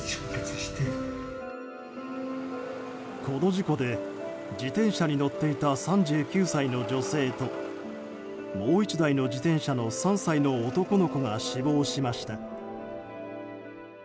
この事故で自転車に乗っていた３９歳の女性ともう１台の自転車の３歳の男の子が死亡しました。